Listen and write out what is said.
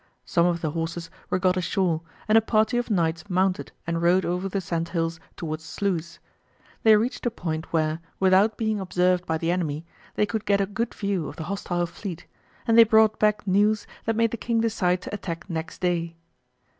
Some of the horses were got ashore, and a party of knights mounted and rode over the sandhills towards Sluys. They reached a point where, without being observed by the enemy, they could get a good view of the hostile fleet, and they brought back news that made the King decide to attack next day.